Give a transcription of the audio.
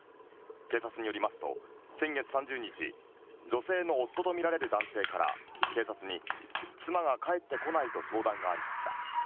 警察によりますと、先月３０日、女性の夫と見られる男性から警察に、妻が帰ってこないと相談がありました。